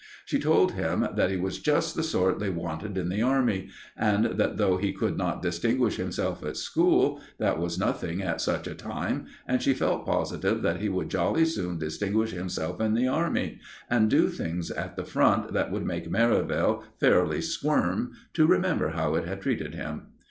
She had told him that he was just the sort they wanted in the Army, and that though he could not distinguish himself at school, that was nothing at such a time, and she felt positive that he would jolly soon distinguish himself in the Army, and do things at the Front that would make Merivale fairly squirm to remember how it had treated him.